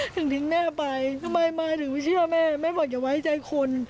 ถึงทิ้งแม่ไปทำไมมายถึงไม่เชื่อแม่แม่บอกอย่าไว้ใจคน